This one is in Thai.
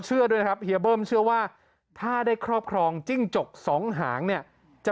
เชื่อด้วยนะครับเฮียเบิ้มเชื่อว่าถ้าได้ครอบครองจิ้งจกสองหางเนี่ยจะ